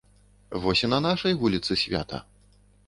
Вось і на нашай вуліцы свята.